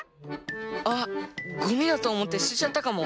あっゴミだとおもってすてちゃったかも。